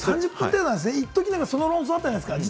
いっとき、論争あったじゃないですか。